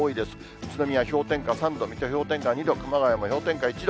宇都宮氷点下３度、水戸氷点下２度、熊谷も氷点下１度。